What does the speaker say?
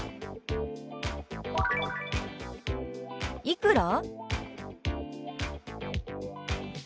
「いくら？」。